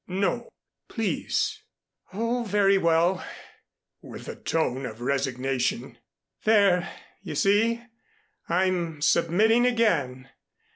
"No please " "Oh, very well," with a tone of resignation. "There you see, I'm submitting again.